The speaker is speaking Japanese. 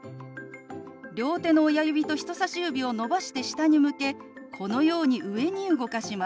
両手の親指と人さし指を伸ばして下に向けこのように上に動かします。